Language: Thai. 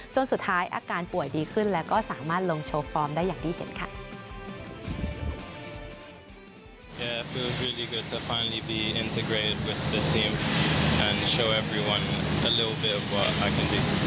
จนสุดท้ายอาการป่วยดีขึ้นแล้วก็สามารถลงโชว์ฟอร์มได้อย่างที่เห็นค่ะ